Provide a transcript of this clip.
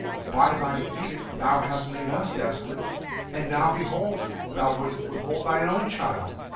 By thy edict thou hast made us desolate. And now behold thou wouldst withhold thine own child!"